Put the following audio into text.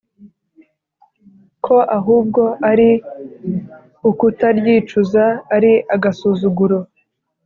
ko ahubwo ari ukutaryicuza”ari agasuzuguro